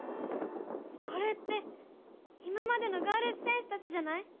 これって今までのガールズ×戦士たちじゃない？